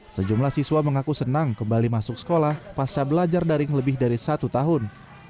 sejumlah siswa mengaku senang kembali masuk sekolah pasca belajar daring lebih dari satu tahun